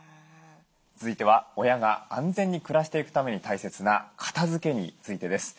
続いては親が安全に暮らしていくために大切な片づけについてです。